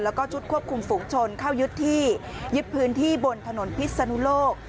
แล้วก็ชุดควบคุมฝูงชนเข้ายึดที่ยึดพื้นที่บนถนนพิศนุโลก